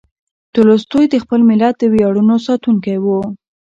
تولستوی د خپل ملت د ویاړونو ساتونکی و.